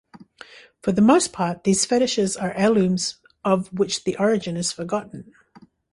For the most part these fetishes are heirlooms of which the origin is forgotten.